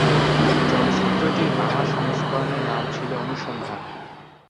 চলচ্চিত্রটির বাংলা সংস্করণের নাম ছিলো 'অনুসন্ধান'।